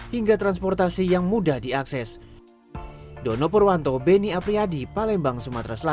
hingga transportasi yang mudah diakses